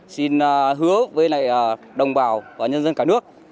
xin hứa với đồng bào và nhân dân cả nước